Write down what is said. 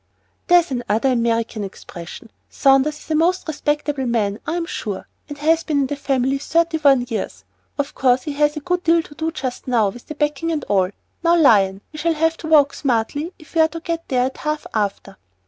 "There's another American expression. Saunders is a most respectable man, I'm sure, and has been in the family thirty one years. Of course he has a good deal to do just now, with the packing and all. Now, Lion, we shall have to walk smartly if we're to get there at half after."